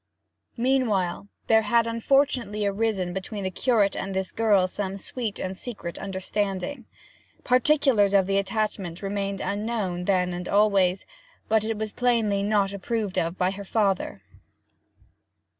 Meanwhile there had unfortunately arisen between the curate and this girl some sweet and secret understanding. Particulars of the attachment remained unknown then and always, but it was plainly not approved of by her father.